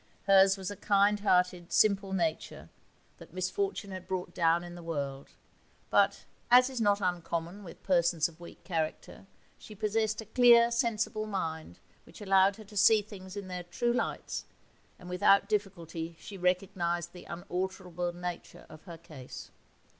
Hers was a kind hearted, simple nature, that misfortune had brought down in the world; but, as is not uncommon with persons of weak character, she possessed a clear, sensible mind which allowed her to see things in their true lights, and without difficulty she recognized the unalterable nature of her case.